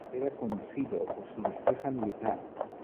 Era conocido por su destreza militar.